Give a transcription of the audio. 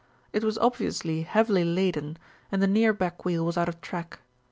It was obviously heavily laden and the near back wheel was out of track.